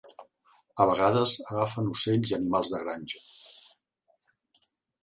A vegades agafen ocells i animals de granja.